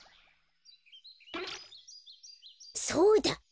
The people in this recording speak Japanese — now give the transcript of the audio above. そうだ！